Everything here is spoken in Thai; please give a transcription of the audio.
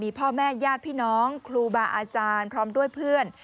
พ่อแม่ญาติพี่น้องครูบาอาจารย์พร้อมด้วยเพื่อน